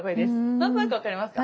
何となく分かりますか。